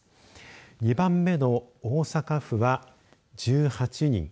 ２番目の大阪府は１８人。